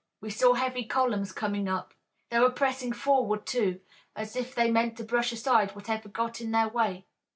We saw heavy columns coming up. They were pressing forward, too, as if they meant to brush aside whatever got in their way."